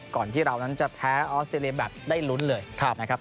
ก่อนที่เรานั้นจะแพ้ออสเตรเลียแบบได้ลุ้นเลยนะครับ